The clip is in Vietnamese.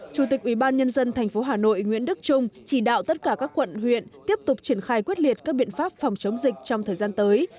chủ tịch ubnd tp hà nội nguyễn đức trung chỉ đạo tất cả các quận huyện tiếp tục triển khai quyết liệt các biện pháp phòng chống dịch trong thời gian tới